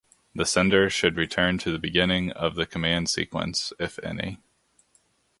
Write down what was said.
The sender should return to the beginning of the command sequence (if any).